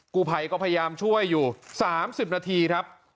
กูภัยก็พยายามช่วยอยู่๓๐นาทีครับ